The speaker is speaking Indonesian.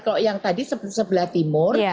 kalau yang tadi sebelah timur